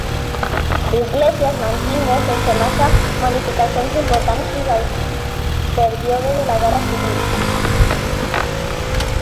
L'església es mantingué sense massa modificacions importants fins al període de la Guerra Civil.